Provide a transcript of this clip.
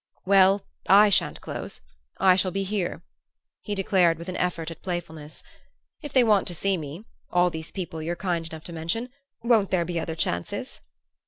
"Well, I sha'n't close I shall be here," he declared with an effort at playfulness. "If they want to see me all these people you're kind enough to mention won't there be other chances?"